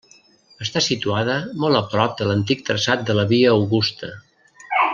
Està situada molt a prop de l'antic traçat de la Via Augusta.